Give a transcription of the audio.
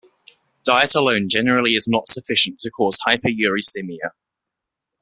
Diet alone generally is not sufficient to cause hyperuricemia.